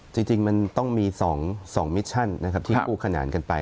จริงมันต้องมี๒มิชชั่นนะครับที่คู่ขนานกันไป